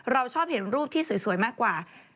เราชอบเห็นรูปที่สวยมากกว่า